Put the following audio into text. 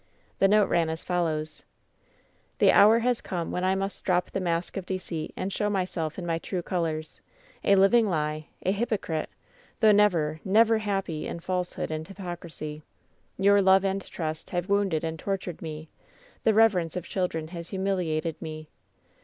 The note ran as follows: WHEN SHADOWS DIE 187 "The hour has come when I must drop the mask of deceit and show myself in my true colors — a living lie, a hypocrite, though never, never happy in falsehood and hypocrisy. Your love and trust have wounded and tor tured me ; the reverence of children has humiliated me.